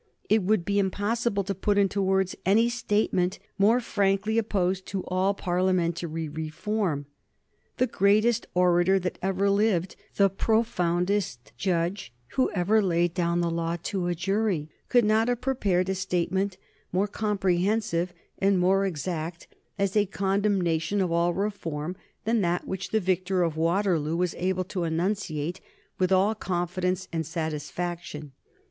It would be impossible to put into words any statement more frankly opposed to all Parliamentary reform. The greatest orator that ever lived, the profoundest judge who ever laid down the law to a jury, could not have prepared a statement more comprehensive and more exact as a condemnation of all reform than that which the victor of Waterloo was able to enunciate with all confidence and satisfaction.